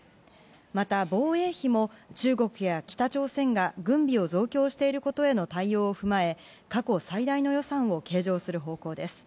また防衛費も中国や北朝鮮が軍備を増強していることへの対応を踏まえ、過去最大の予算を計上する方向です。